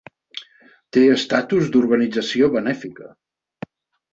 Té estatus d'organització benèfica.